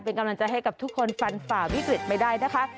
เป็นกำลังใจให้กับทุกคนฟันฝ่าวิกฤตไปได้นะคะ